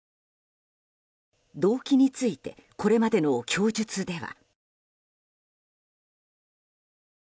動機についてこれまでの供述では。